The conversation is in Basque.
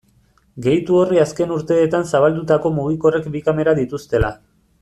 Gehitu horri azken urteetan zabaldutako mugikorrek bi kamera dituztela.